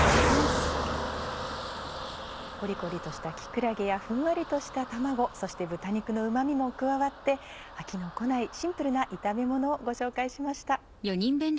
コリコリとした木くらげやふんわりとした卵そして豚肉のうま味も加わって飽きの来ないシンプルな炒めものをご紹介しました。